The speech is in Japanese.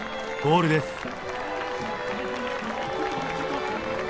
ゴールです。